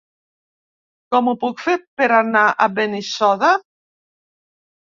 Com ho puc fer per anar a Benissoda?